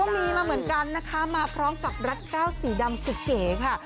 มีมาเหมือนกันนะคะมาพร้อมกับรัดก้าวสีดำสุดเก๋ค่ะ